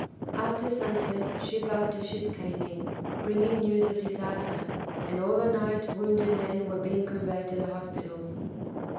After sunset ship after ship came in, bringing news of disaster, and all the night wounded men were being conveyed to the hospitals.